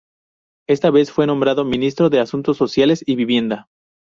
Esta vez fue nombrado Ministro de Asuntos Sociales y Vivienda.